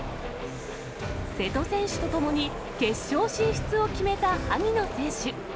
瀬戸選手とともに決勝進出を決めた萩野選手。